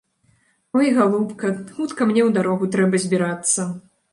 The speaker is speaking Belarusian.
Ой, галубка, хутка мне ў дарогу трэба збірацца!